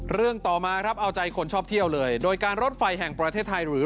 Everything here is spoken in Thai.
เรื่องต่อมาครับเอาใจคนชอบเที่ยวเลยโดยการรถไฟแห่งประเทศไทยหรือ